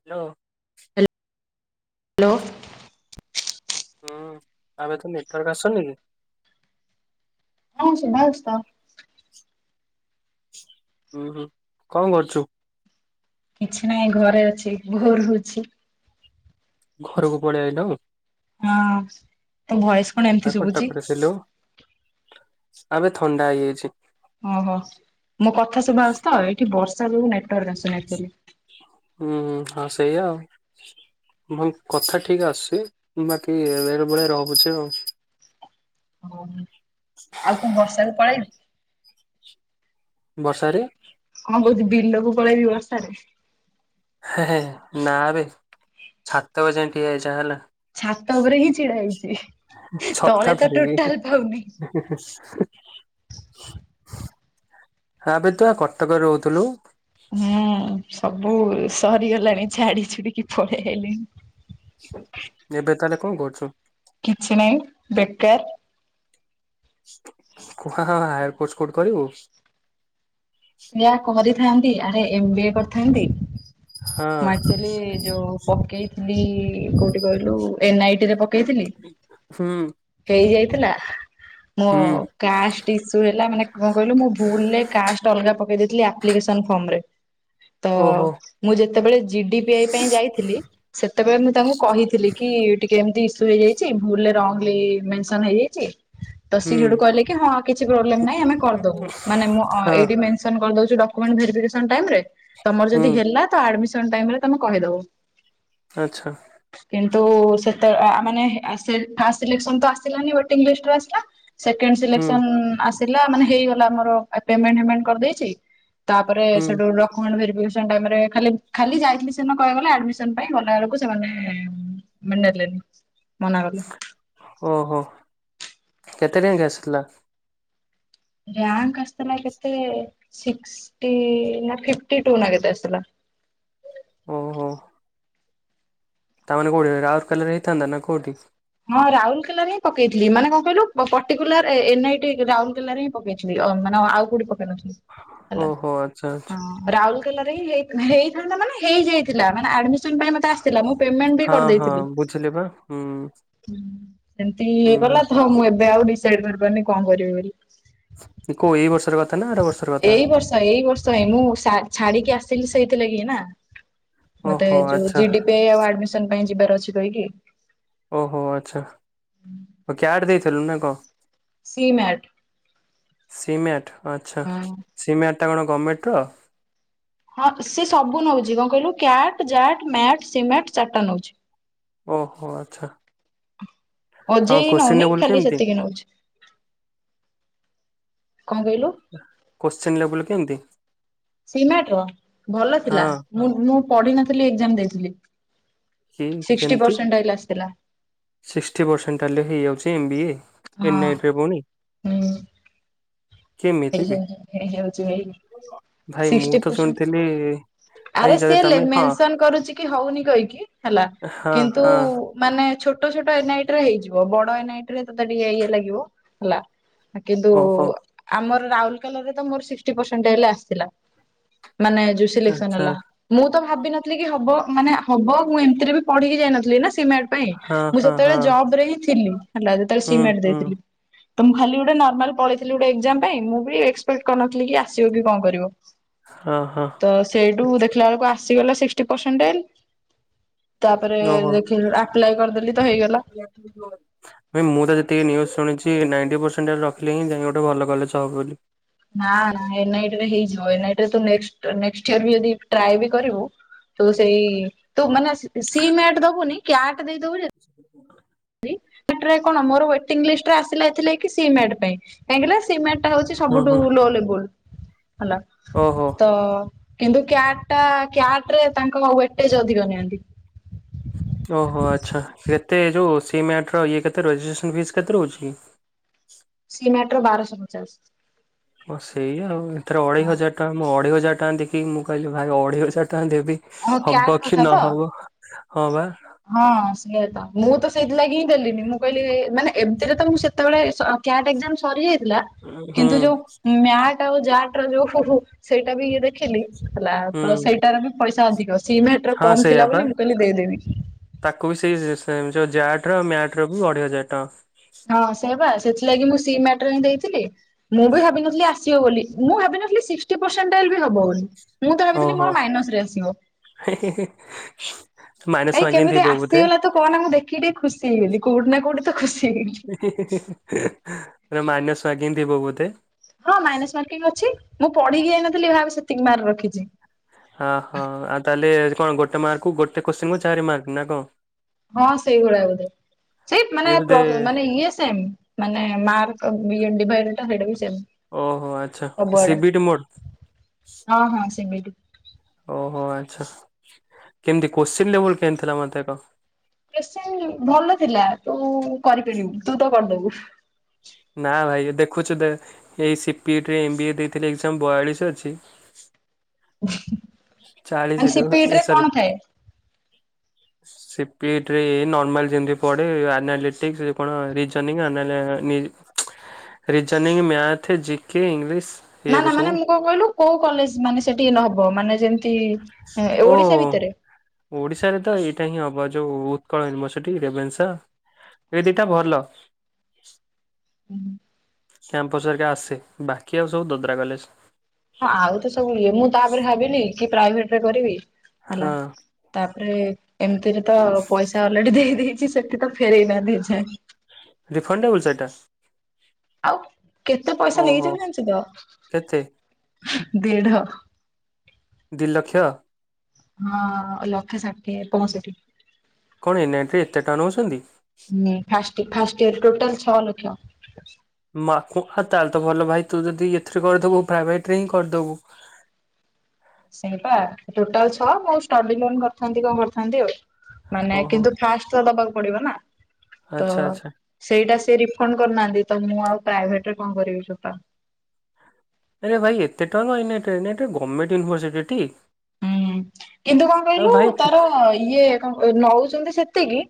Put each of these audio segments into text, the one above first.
Hello. Hello. ହୁଁ ଆବେ ତ ନେଟୱାର୍କ ଆସୁନି କି? ହଁ ସୁୁଭା ହଉଛି ତ। ଉୁଁ ହୁଁ କଣ କରୁଛୁ? କିଛି ନାହିଁ ଘରେ ଅଛି ବୋର ହଉଛି। ଘରକୁ ପଳେଇ ଆଇଲୁ? ହଁ ତୋ ଭଏସ୍ ତୁ ପା କଟକରେ ଥିଲୁ? ଆବେ ଥଣ୍ଡା ହେଇଯାଇଛି। ଓହୋ। ମୋ କଥା ସୁଭା ହୋଉଛି ତ? ଏଇଠି ବର୍ଷା ଯୋଗୁ ନେଟୱାର୍କ ଆସୁନି ଆକ୍ଚୁଆଲି। ହୁଁ ହୁଁ। ହଁ ସେଇଆା ଆଉ। ହଁ କଥା ଠିକ୍ ଆସଛି। ମୁଁ ବାକି ବେଳେବେଳେ ରପ୍ ରହୁଛି ଆଉ। ଓ ଆଉ କଣ ବର୍ଷା ରେ ପଳେଇବି ବର୍ଷାରେ? କଣ କହୁଛୁ ବିଲକୁ ପଳେଇବି ବର୍ଷାରେ? ନା ଏବେ ଛାତ ଉପରେ ଯାଇ ଠିଆ ହେଇଯା ହେଲା। ଛାତ ଉପରେ ହିଁ ଛିଡା ହେଇଛି। ଛତା ତଳେ ତ ଧରିକି ଟୋଟାଲ ପାଉନି। ଆବେ ତୁ ପା କଟକରେ ରହୁଥିଲୁ? ହୁଁ ସବୁ ସରିଗଲାଣି ଝାଡି ଛୁଡିକି ପଳେଇ ଆଇଲିଣି। ଏବେ ତାହେଲେ କଣ କରୁଛୁ? କିଛି ନାଇଁ ବେକାର। ହାୟାର କୋର୍ସ କୋଉଠି କରିବୁ? ସେଇୟା କରିଥାନ୍ତି। ଆରେ ଏମ ବି ଏ କରିଥାନ୍ତି। ହଁ ମୁଁ ଆକ୍ଚୁଆଲି ଯୋଉ ପକେଇଥିଲି କୋଉଠି କହିଲୁ, ଏନ୍ ଆଇ ଟି ରେ ପକେଇଥିଲି। ହୁଁ ହେଇ ଯାଇଥିଲା। ମୁଁ ହୁଁ କାଷ୍ଟ ଇସୁ ହେଲା, ମାନେ କଣ କହିଲୁ ମୁଁ ଭୁଲରେ କାଷ୍ଟ ଅଲଗା ପକେଇ ଦେଇଥିଲି। ଆପ୍ଲିକେସନ ଫର୍ମ ରେ ତ ଓହୋ। ମୁଁ ଯେତେବେଳେ ଜିଡି ପିଆଇ ପାଇଁ ଯାଇଥିଲି ସେତେବେଳେ ମୁଁ ତାଙ୍କୁ କହିଥିଲି କି ଟିକେ ଏମତି ଇସୁ ହେଇଯାଇଛି। ଭୁଲରେ ରଂଗଲି ମେନସନ୍ ହେଇଯାଇଛି ତ ହୁଁ ସିଏ ସେଉଠୁ କହିଲେ କି ହଁ, କିଛି ପ୍ରୋବ୍ଲେମ ନାହିଁ ଆମେ କରିଦବୁ। ମାନେ ମୁଁ ଅ ହଁ ଏଇ ମେନସନ କରିଦଉଛୁ ଡକ୍ୟୁମେଣ୍ଟ ଭେରିଫିକେସନ୍ ଟାଇମ୍ ରେ, ତମର ହୁଁ ଯଦି ହେଲା ତ ଆଡମିସନ ଟାଇମ୍ ରେ ତମେ କହିଦବ। ଆଛା। କିନ୍ତୁ ସେତେବେଳେ ଆ ମାନେ ଫାର୍ଷ୍ଟ ସିଲେକସନ୍ ତ ଆସିଲାନି ୱେଟିଙ୍ଗ ଲିଷ୍ଟ ରେ ଆସିଲା ସେକଣ୍ଡ ହୁଁ ସିଲେକ୍ସନ ଆସିଲା ମାନେ ହେଇଗଲା ଆମର ପେମେଣ୍ଟ ଫେମେଣ୍ଟ କରିଦେଇଛି ତାପରେ ହୁଁ ସେଠୁ ର ଡକ୍ୟୁମେଣ୍ଟ ଭେରିଫିକେସନ୍ ଟାଇମ୍ ରେ ଖାଲି- ଖାଲି ଯାଇଥିଲି ସେ କହିବାକୁ ଗଲେ ଆଡମିସନ ପାଇଁ ଗଲା ବେଳକୁ ସେମାନେ ମାନେ ଡାକିଲେନି ମନା କଲେ। ଓହୋ। କେତେ ରିଆଙ୍ଗ ଆସିଥିଲା? ର୍ୟାଙ୍କ ଆସିଥିଲା କେତେ ଶିକ୍ଷ୍ଟି ନା ଫିଫଟି ଟୁ ନା କେତେ ଆସିଥିଲା। ଓହୋ। ତାମାନେ କୋଉଠି ରାଉରକେଲା ରେ ହେଇଥାନ୍ତା ନା କୋଉଠି? ହଁ ରାଉରକେଲାରେ ହିଁ ପକେଇଥିଲି ମାନେ କଣ କହିଲୁ ପର୍ଟିକୁଲାର ଏନ୍ ଆଇ ଟି ରାଉରକେଲାରେ ହିଁ ପକେଇଥିଲି ମାନେ ଆଉ କଉଠି ପକେଇ ନଥିଲି। ହେଲା ଓହୋ ଆଚ୍ଛା ଆଚ୍ଛା ହଁ ରାଉରକେଲାରେ ହିଁ ହେ ହେଇଥାନ୍ତା ମାନେ ହେଇଯାଇଥିଲା ମାନେ ଆଡମି ସନ ପାଇଁ ମତେ ଆଶିଥିଲା ମୁଁ ପେମେଣ୍ଟ ବି କରିଦେଇଥିଲି। ପଝିଲିବା [inaudible] ହୁଁ,। ହୁଁ, ସେମିତି ହୁଁ ହୁଁ ଇଏକଲା ତ ମୁଁ ଏବେ ଆଉ ଡିସାଇଡ କରିପାରୁନି କଣ କରିବି ବୋଲି। ଇଏ କୋଉ ଏଇ ବର୍ଷର କଥା ନା ଆର ବର୍ଷର କଥା? ଏଇ ବର୍ଷ ଏଇ ବର୍ଷ ହିଁ ମୁଁ ସା ଛାଡିକି ଆସିଲି ସେଇଥିଲାଗି ନା, ମତେ ଓହୋ ଯୋଉ ଆଚ୍ଛା ଜି ଡି ପେ ଆଉ ଆଡମିସନ ପାଇଁ ଯିବାର ଅଛି କହିକି। ଓହୋ! ଆଚ୍ଛା କ୍ୟାଡେ ଦେଇଥିଲୁ ନା କଣ? C mat. ସି ମ୍ୟାଟ ଆଚ୍ଛା ହଁ। ସି ମ୍ୟାଟ ଟା କଣ ଗମେଣ୍ଟ ର? ହଁ, ସେ ସବୁ ନଉଛି କଣ କହିଲୁ କ୍ୟାଟ, ଜ୍ୟାଟ, ମ୍ୟାଟ୍ ସି ମେଟ୍ ଚାରିଟା ନଉଛି। ଓହୋ! ଆଚ୍ଛା ହଁ ଓଜେଇ କୋଶ୍ଚିନ୍ ନଉନି ଲେବୁଲ ଖାଲି କେମିତି ସେତିକି ନଉଛି। କଣ କହିଲୁ? କୋଶଚିନ୍ ଲେବୁଲ କେମିତି? ସି ମ୍ୟାଟ ର ଭଲ ହଁ ଥିଲା ମୁ ମୁଁ ପଢ଼ି ନଥିଲି ଏକ୍ସାମ୍ ଦେଇଥିଲି। କି ସିକିସିଟି କେମିତି? ପରସେଣ୍ଟ ଆଇଲା ଆସିଥିଲା। ସିକ୍ସଟି ପରସେଣ୍ଟ ତାହଲେ ହେଇଯାଉଛି ଏମ୍ବ ଇ ଏ ହଁ ଏନ୍ଆଇଟରେ ହଉନି? ଇ ହେଇଯାଉଛି ଭାଇ ଭାଇ ମୁଁ ସିକ୍ସିଟୀ ତ ଶୁଣିଥିଲି ପରସେଣ୍ଟ। ଭାଇ ଆରେ ଯଦି ସିଏ ତମେ ହଁ ମେନସନ କରୁଛି କି ହଉନି କହିକି ହେଲା ହଁ କିନ୍ତୁ ହଁ ମାନେ ଛୋଟ ଛୋଟ ଏନ୍ ଆଇ ଟିରେ ହେଇଯିବ ବଡ ଏନ୍ ଆଇ ଟି ରେ ତୋତେ ଟିକେ ଇଏ ଲାଗିବ। ହଲା ଆ କିନ୍ତୁ ଓହୋ ଆମର ରାଉଲକେଲା ରେ ତ ମୋର ସିକସିଟି ପରସେଣ୍ଟ ହେଲେ ଆସିଥିଲା ମାନେ ସିଲେକସନ୍ ଆଚ୍ଛା। ହେଲା ମୁଁ ତ ଭାବିିନଥିଲି କି ହବ ମାନେ ହବ ମୁଁ ଏମିତିରେ ବି ପଢିକି ଯାଇନଥିଲି ନା, ସି ମାଟ ନାଇଁ ହଁ ମୁଁ ହଁ ହଁ ସେତେବେଳେ ଜବ ରେ ହିଁ ଥିଲି ହେଲା ଯେତେବେଳେ ହୁଁ ସି ମାଟ୍ ହୁଁ ଦେଇଥିଲି। ତ ମୁଁ ଖାଲି ଗୋଟେ ନର୍ମାଲ ପଳେଇଥିଲ ଗୋଟେ ଏକ୍ଜାମ ନାଇଁ ମୁଁ ବି ଏକ୍ସପେକ୍ଟ କରିନଥିଲି କି ଆସିବ କି କଣ କରିବ? ହଁ ହଁ ତ ସେଇଠୁ ଦେଖିଲା ବେଳକୁ ଆସିଗଲା ସିକ୍ଟି ପରସେଣ୍ଟ। ତାପରେ ଓହୋ। ଦେଖିଲୁ ଆପ୍ଲାଇ କରିଦେଲି ତ ହେଇଗଲା। ଡିପ୍ଲୋଏଡ। ଭାଇ ମୁଁ ତ ଯେତିକି ନ୍ୟୁଜ୍ ଶୁଣିଛି ନାଇଣ୍ଟି ପରସେଣ୍ଟରେ ରଖିଲେ ଯାଇ ଗୋଟେ ଭଲ କଲେଜ ହବ ବୋଲି। ନା, ନା ଏନ୍ ଆଇ ଟି ରେ ହେଇଯିବ ଏନ୍ ଆଇ ଟି ରେ ତୁ ନେକ୍ସଟ୍ ନେକ୍ସଟ୍ ଇୟର ବି ଯଦି ଟ୍ରାଏ ବି କରିବୁ ତୁ ସେଇ ତୁ ମାନେ ସି ମ୍ୟାଟ ଦବୁନି କ୍ୟାଟ ଦେଇଦବୁ ଯେ ତାପରେ କଣ ମୋର ୱେଟିଙ୍ଗ ଲିଷ୍ଟରେ ଆସିଲା ଏଥିଲା କି ସି ମାଟ ପାଇଁ କାହିଁକିନା ସି ମାଟ ଏଟା ହଉଚି ହୁଁ ସବୁଠୁ ହୁଁ ଲୋ ଲେବୁଲ ହେଲା। ଓହୋ। ତ କିନ୍ତୁ କ୍ୟାଟ ଟା କ୍ୟାଟ ରେ ତାଙ୍କ ୱେଟେଜ ଅଧିକ ନିଅନ୍ତି। ଓହୋ ଆଚ୍ଛା କେତେ ଯୋଉ ସି ମ୍ୟାଟ ର ଇଏ କେତେ ରହୁଚି ରେଜିଷ୍ଟ୍ରେସନ ଫିସ୍ କେତେ ରହୁଚିକି। ସି ମାଟ ର ବାରଶ ପଚାଶ। ହଁ ସେଇଆ ଆଉ ଏଥରେ ଅଢେଇ ହଁ ହଜାର ଟଙ୍କା ମୁଁ ଅଢେଇ ହଜାର ଟଙ୍କା ଦେଖି ମୁଁ କହିଲି ଭାଇ ଅଢେଇ ହଜାର ଟଙ୍କା ଦେବି। ହଁ କ୍ୟାଟ ହବ କି କଥା ତ ନହବ? ହଁ, ବା। ହଁ, ସିଏତ ମୁଁ ତ ସେଇଥିଲାଗି ହିଁ ଦେଲିନି ମୁଁ କହିଲି ମାନେ ଏମିତିରେ ତ ମୁଁ ସେ ସେତେବେଳେ କ୍ୟାଟ ଏକ୍ଜାମ ସରିଯାଇଥିଲା। ହୁଁ କିନ୍ତୁ ଯୋଉ ମ୍ୟାଟ ଆଉ ଜାଟ ର ଯୋଉ ହୁ, ହୁ ସେଇଟା ବି ଇଏ ଦେଖିଲି। ହେଲା ହୁଁ ତ ସେଇଟାର ବି ପଇସା ଅଧିକ ସି ମେଟର ହଁ କମ୍ ସେଇଆ ଥିଲା ପା ବୋଲି ମୁଁ କହିଲି ଦେଇଦେବି। ତାକୁ ବି ସେଇ [unintelligible] ଜ୍ୟାଟ ର ମ୍ୟାଟ ର ବି ଅଢେଇ ହଜାର ଟଙ୍କା। ହଁ ସେ ସେପା ସେଥିଲାଗି ମୁଁ ସି ମ୍ୟାଟରେ ହିଁ ଦେଇଥିଲି ମୁଁ ବି ଭାବିଥିଲି ଆ ଆସିବ ବୋଲି ମୁଁ ଭାବିନଥିଲି ସିକ୍ଟି ପରସେଣ୍ଟ ହବ ବୋଲି ମୁଁ ତ ଭାବିଥିଲି ମୋର ମାଇନସ ରେ ଆସିବ। ହେଁ, ହେଁ। ଭାଇ କେମିତି ଆସିଗଲା ତ କଣ ନା, ମୁଁ ଦେଖି ଟିକେ ଖୁସି ହେଇଗଲିି କୋଉଠି ନା କୋଉଠି ତ ଖୁସି ହେଇଗଲି। ମାଇନସ୍ ମାର୍କିଂ ଥିବ ବୋଧେ? ହଁ ମାଇନାସ ମାର୍କିଂ ଅଛି, ମୁଁ ପଢିକି ଯାଇନଥିଲି ଏ ଭାବେ ସେତିକି ମାର୍କ ରଖିଚି। ଓହୋ ଆଉ ତାହେଲେ କଣ ଗୋଟେ ମାର୍କକୁ ଗୋଟେ କୋଶ୍ଚିନ୍ କୁ ଚାରି ମାର୍କ ନା କ ହଁ ସେଇଭଳିଆ ବୋଧେ ସେଇ ମାନେ ଇଏ ବୋଧେ ମାନେ ଇଏ ସେମ ମାନେ ମାର୍କ ବିଣ୍ଡିଟା ସେଇଟା ବି ସେମ। ଓ ଆଚ୍ଛା ସି ବିିଟ ମୋଡ଼ ହଁ ହଁ ସେମିତି। ଓହୋ ଆଚ୍ଛା, କେମିତି କୋଶ୍ଚିନ୍ ଲେବୁଲ କେଏତି ଥିଲା [unintelligible] ବେଶୀ ଭଲ ଥିଲା ତୁ କରିପାରିବୁ ତୁ ତ କରିଦବୁ। ନା ଭାଇ ଦେଖୁଚୁ ଦେ ଏଇ ସିପି ଏଇଟିରେ ଏମ୍ ବି ଏ ଦେଇଥିଲେି ଏକ୍ଜାମ ବୟାଳିଶ ଅଛି। ଆ ଚାଳିଶରୁ ସି ପି ଇ ଟି ରେ କଣ ଥାଏ? ହ ସିପି ଇ ଟି ରେ ଏଇ ନର୍ମଲ ଯୋଉ ପଡେ ଆନାଲିଟିିକସ କଣ reasoning. ରିଯୋନିଙ୍ଗି math G K English. ନା ନା ମାନେ ମୁଁ କଣ କହିଲୁ କୋଉ କଲେଜ ମାନେ ସେଠି ନହବ ମାନେ ଯେମିତି ଓୋ। ଓଡିଶା ଭିତରେ? ଓଡ଼ିଶାରେ ତ ଏଇଟା ହିଁ ହବ ଯୋଉ ଉତ୍କଳ ୟୁନିଭର୍ସିଟି ରେବେନ୍ସା। [unintelligible] ଭଲ। ହୁଁ କ୍ୟାମ୍ପସ ହରିକା ଆସେ ବାକି ଆଉ ସବୁ ଦଦ୍ରା କଲେଜ। ହଁ ଆଉ ତ ସବୁ ଇଏ ମୁଁ ତାପରେ ଭାବିନି କି ପ୍ରାଇଭେଟ ରେ କରିବି ହେଲା। ହଁ ତାପରେ ଏମିତିରେ ତ ପଇସା ଅଲରେଡି ଦେଇ ଦେଇେଇଚି ସେଠି ତ ଫେରଇନାହାନ୍ତି ଏଯାଏ। [unintelligible] ଆଉ କେତେ ପଇସା ଓହୋ ନେଇଚନ୍ତି ଜାଣୁଚୁ କେତେ ତ? ଦେଢ ଦିଇ ଲକ୍ଷ। ହଁ ଲକ୍ଷେ ଷାଠେଏ ପରେ। ପୁଣି ଏତେ [unintelligible] ହଁ ଫା ଫାଷ୍ଟ ଇୟର ଟୋଟଲ ଛଅ ଲକ୍ଷ। ମା କୁ ତାହେଲେ ତା ଭଲ ଭାଇ ତୁ ଯଦି ଏଥିରେ କରିଦବୁ ପ୍ରାଇଭେଟ ରେ ହିଁ କରିଦବୁ। ସେଇ ପା ଟୋଟାଲ ଛଅ ମୁ ଷ୍ଟଡି ଲୋନ କରିଥାନ୍ତି କଣ କରିଥାନ୍ତି ଆଉ ମାନେ ଓହୋ କିନ୍ତୁ ଫାଷ୍ଟ ଦବାକୁ ପଡିବ ନା ତ ଆଚ୍ଛା ଆଚ୍ଛା ସେଇଟା ସେ ରିଫଣ୍ଡ କରିନାହାନ୍ତି ତ ମୁଁ ଆଉ ପ୍ରାଇଭେଟ ରେ କଣ କରିବି, ଚୋପା। ନ ଭାଇ ଏତେ ଟଙ୍କା [unintelligible] ଏ ଏ ଗମେଣ୍ଟ୍ ୟୁନଭର୍ସିଟି। ହୁଁ କିନ୍ତୁ କଣ କହିଲୁ ତାର ଇଏ କଣ ନଉଛନ୍ତି ସେତିକି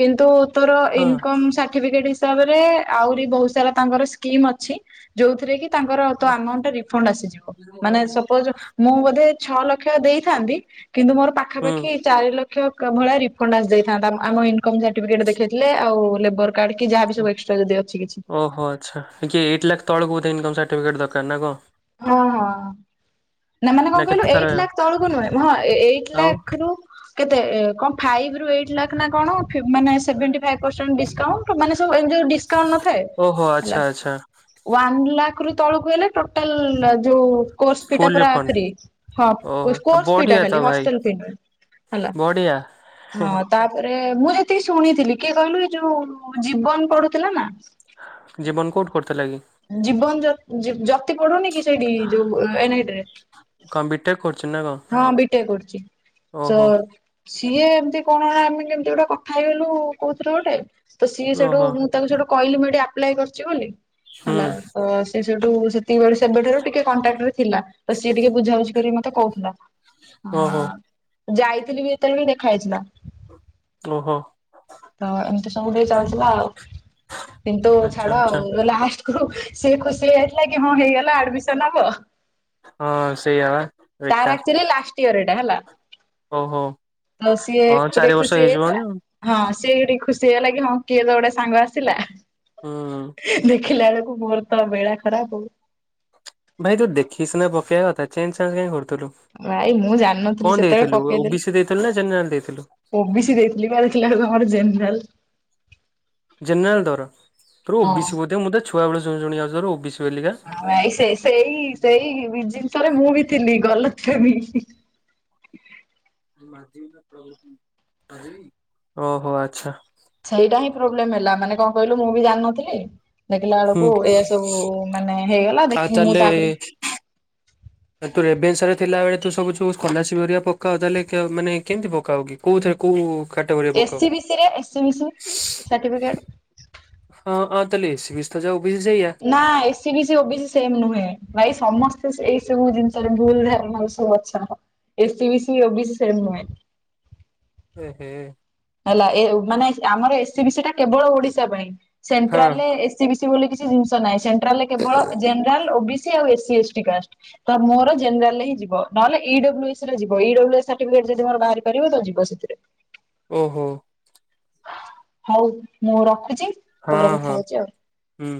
କିନ୍ତୁ ତୋର ହଁ ଇନକମ୍ ସାର୍ଟିଫିକେଟ ହିସାବ ରେ ଆହୁରି ବୋହୁତ ସାରା ତାଙ୍କର ସ୍କିମ ଅଛି। ଯୋଉଥିରେ କି ତାଙ୍କର ତ ଓ ଆମାଣ୍ଟ ରିଫଣ୍ଡ ଆସିଯିବ, ମାନେ ସପୋଜ ମୁଁ ବୋଧେ ଛ ଲକ୍ଷ। ଦେଇଥାନ୍ତି କିନ୍ତୁ ମୋର ହୁଁ ପାଖାପାଖି ଚାରି ଲକ୍ଷ ଭଳିଆ ରିଫଣ୍ଡ ଆସି ଦେଇଥାନ୍ତା, ଆମ ଇନକ ସାର୍ଟିଫିକେଟ ଦେଖେଇଥିଲେ ଆଉ ଲେବର କଢ଼ିକି କି ଯାହା ବି ସବୁ ଏକ୍ସ୍ରା ଯଦି ଅଛି କିଛି ଓହୋ ଆଚ୍ଛା ଏଇଟି ଲାଖ ତଳକୁ ବୋଧେଇକମ୍ ସାର୍ଟିଫିକେଟ୍ ଦରକାର ନା କଣ? ହଁ ହଁ। ନା ମାନେ କଣ କହିଲୁ କେତେ ତାର ଏଇଟ୍ ଲାଖ ତଳକୁ ନୁହେଁ ହଁ ଏଇଟ ଆଉ ଲାଖ ରୁ କେତେ କଣ ଫାଇଭ ରୁ ଏଇଟି ଲାଖ୍ ନା କଣ ମାନେ fee seventy five percent discount ମାନେ ସବୁ ଏମିତି ଡିସକାଉଣ୍ଟ ନଥାଏ ଓହୋ ହେଲା ଆଚ୍ଛା ଆଚ୍ଛା ୱାନ ଲାଖ ରୁ ତଳକୁ ହେଲେ ହୋଟେଲ୍ ଯୋଉ କୋର୍ସ ଫି ଟା ଫୁଲ ପୁରା ରିଫଣ୍ଡ ଫ୍ରି ଓହୋ ଆ କୋର୍ସ ଫି ଟା ବଢିଆ ତ ଖାଲି ଭାଇ ହଷ୍ଟେଲ ଫି ନୁହେଁ। ହେଲା। ବଢିଆ। ହେଁ ହେଁ ହଁ ତାପରେ ମୁଁ ଯେତିକି ଶୁଣିଥିଲି କିଏ କହିଲୁ ଏଇ ଯୋଉ ଜୀବନ ପଡୁଥିଲା ନା। ଜୀବନ କୋଉଠି ପଢୁଥିଲା କି? ଜୀବନ ଜ-ଜ ଜ-ଜତି ପଡୁନି କି ସେଇଠି ଯୋଉ ଏନ‌ଇଟି ରେ କଣ ବିଟେକ୍ କରଚି ନା କଣ? ହଁ ବିଟେକ୍ କରୁଚି। ସ ଓହୋ ସିଏ ଏମିତି କଣ ଆମେ କେମିତି ଗୋଟେ କଥା ହେଇଗଲୁ କୋଉଥିରେ ଗୋଟେ ତ ସିଏ ସେଇଠୁ ଓହୋ ମୁଁ ତାକୁ ସେଟୁ କହିଲି ମୁଁ ଏଠି ଆପ୍ଲା କରିଚି ବୋଲି ହୁଁ ହେଲା ତ ସେ ସେଠୁ ସେ ତିକି ବେଳୁ ସେବେଠାରୁ ଟିକେ କଣ୍ଟାକ୍ଟ ଥିଲା ତ ସିଏ ଟିକେ ବୁଝାବୁଝି କରିକି ମତେ କୋହୁଥିଲା। ଓହୋ ହଁ ଯାଇଥିଲି ବି ଯେତେବେଳେ ବି ଦେଖା ହେଇଥିଲା।। ଓହୋ। ତ ଏମିତି ସବୁବେଳେ ଚାଲିଥିଲା ଆଉ କିନ୍ତୁ ଆଚ୍ଛା ଛାଡ ଆଚ୍ଛା ଆଉ ଲାଷ୍ଟ କୁ ସେଇ ଖୁସି ଯାଇଥିଲା କି ହଁ ହେଇଗଲା ଆଡମିସନ ହବ। ହଁ ସେଇପା ତାର ବେକାର। ଆକ୍ଚୁଆଲି ଲାଷ୍ଟ ଇଅର ଏଇଟା ହେଲା ଓହୋ ତ ସିଏ ହଁ ଏପଟେ ଚାରି ବର୍ଷ ଖୁସି ହେଇଯିବଣି ହେଇଯାଇଥିଲା। ଆଉ ହଁ ସିଏ ବି ଟିକେ ଖୁସି ହେଇଗଲା କି ହଁ କିଏ ତୋ ଗୋଟେ ସାଙ୍ଗ ଆସିଲା। ହଁ। ଦେଖିଲା ବେଳକୁ ମୋର ତ ବେଳା ଖରାପ ହୋଉ। ଭାଇ ତୁ ଦେଖିକି ସିନା ପକେଇବା କଥା ଚେଞ୍ଜ ଚାଞ୍ଜ କାଇଁ କରୁଥିଲୁ। ଭାଇ ମୁଁ ଜାଣିନଥିଲି କଣ ସେତେବେଳେ ଦେଇଥିଲୁ ଓବିସି ପକେଇଦେଲି। ଦେଇଥିଲୁ ନା ଜେନେରାଲ ଦେଇଥିଲୁ ଓ ବି ସି ଦେଇଥିଲି ବା ଦେଖିଲା ବେଳକୁ ଆମର ଜେନେରାଲ। ଜେନେରାଲ ତୋର ତୋର ଓ ବି ହଁ ସି ବୋଧେ ମୁଁ ତ ଛୁଆବେଳୁ ଶୁଣି ଶୁଣି ଆସୁଚି ତୋର ଓ ବି ସି ବୋଲିକା। ଭାଇ ସେ ସେଇ ସେଇ ଜିନିଷରେ ମୁଁ ବି ଥିଲି ଗତଲଫ୍ୟାମି ଓହୋ ଆଚ୍ଛା। ସେଇଟା ହିଁ ପ୍ରୋବ୍ଲେମ ହେଲା ମାନେ କଣ କହିଲୁ ମୁଁ ବି ଜାଣିନଥିଲି। ଦେଖିଲା ହୁଁ ବେଳକୁ ଏଇଆ ସବୁ ମାନେ ହେଇଗଲା ଦେ ଆଉ ମୁଁ ତାପରେ ଆଉ ତୁ ରେଭେନ୍ସାରେ ଥିଲାବେଳେ ତୁ ସବୁ ଯୋଉ ସ୍କୋଲାରସିପ ହେରିକା ପକାଉ ତାହଲେ କେ ମାନେ କେମିତି ପକାଅ କି? କୋଉଥିରେ କୋଉ କାଟଗୋରିରେ ପକାଅ? ଏସି ବିସି ରେ ଏସି ବିସି ସାର୍ଟିଫିକେଟ ହଁ ଅ ତାହଲେ ଏସି ବିସି ତ ଯାହା ଓ ବିି ସି ସେଇଆ। ନା ଏ ସି ବି ସି, ଓ ବି ସ ସେମ୍ ନୁହେଁ ଭାଇ ସମସ୍ତେ ଏଇ ସବୁ ଜିନିଷରେ ଭୁଲ ଧାରଣାରେ ସବୁ ଅଛନ୍ତି। A C B C O B C same ନୁହେଁ। ଏ ହେ। ହେଲା ଏ ମାନେ ଆମର ଏ ସି ବି ସି ଟା କେବଳ ଓଡିଶା ପାଇଁ ହଁ ସେଣ୍ଟ୍ରାଲରେ ଏ ସି ବି ସି ବୋଲି କିଛି ଜିନିଷ ନାହିଁ। ସେଣ୍ଟ୍ରାଲରେ କେବର ଜେନେରାଲ, ଓ ବି ସି ଆଉ ଏସି ଏସ୍ ଟି କାଷ୍ଟ। ତ ମୋର ଜେନେରାଲରେ ହିଁ ଯିବ ନହେଲେ ଇ ଡବୁଲୁ ଇସି ରେ ଜିବା। ଇ ଡବୁଲୁ ଇସି ସର୍ଟିଫିକେଟ ଯଦି ମୋର ବାହାରି ପାରିବ ତ ଯିବ ସେଥିରେ। ଓହୋ। ହୋଉ ମୁଁ ରଖୁଚି। ହଁ ହଁ ହୁଁ।